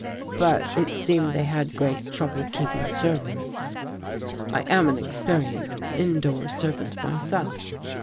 " But it seemed they had great trouble keeping servants. I am an experienced indoor servant my self.